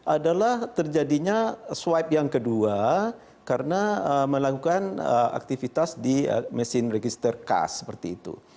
adalah terjadinya swipe yang kedua karena melakukan aktivitas di mesin register kas seperti itu